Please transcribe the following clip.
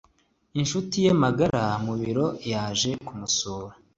inshuti ye magara mu biro yaje kumusura.